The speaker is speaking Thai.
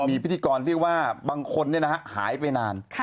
มีพิธีกรที่ว่าบางคนหายไปนาน